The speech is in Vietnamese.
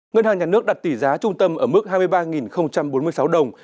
ngân hàng nhà nước đặt tỷ giá trung tâm ở mức hai mươi ba bốn mươi sáu đồng